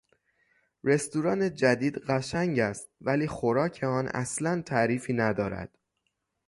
رستوران جدید قشنگ است ولی خوراک آن اصلا تعریفی ندارد.